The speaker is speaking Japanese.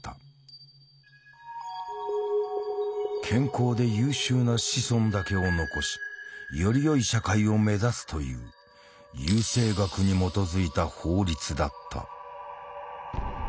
健康で優秀な子孫だけを残しよりよい社会を目指すという優生学に基づいた法律だった。